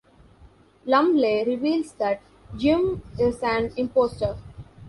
Lumley reveals that Jim is an imposter.